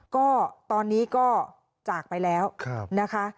ก็ตอนนี้ก็จากไปแล้วนะคะ